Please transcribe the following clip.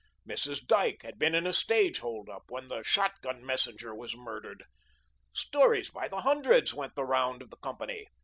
Mrs. Dyke had been in a stage hold up, when the shotgun messenger was murdered. Stories by the hundreds went the round of the company.